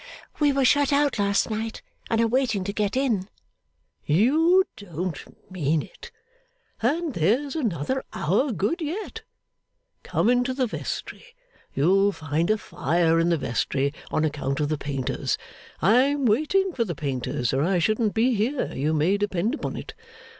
'We were shut out last night, and are waiting to get in.' 'You don't mean it? And there's another hour good yet! Come into the vestry. You'll find a fire in the vestry, on account of the painters. I'm waiting for the painters, or I shouldn't be here, you may depend upon it.